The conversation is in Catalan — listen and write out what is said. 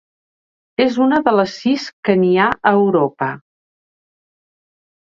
És una de les sis que n'hi ha a Europa.